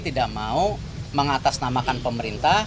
tidak mau mengatasnamakan pemerintah